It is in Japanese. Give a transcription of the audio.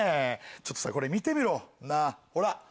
ちょっとさこれ見てみろなぁほら！